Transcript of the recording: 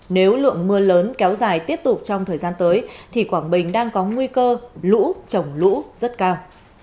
nếu lượng mưa lớn kéo dài tiếp tục trong thời gian tới thì quảng bình đang có nguy cơ lũ trồng lũ rất cao